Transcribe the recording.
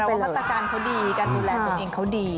แปลว่าพัฒนาการเขาดีการดูแลตัวเองเขาดี